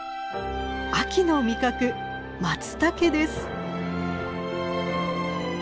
秋の味覚マツタケです。